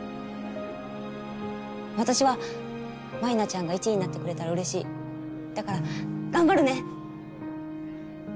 私は舞菜ちゃんが１位になってくれたらうれしいだから頑張るね！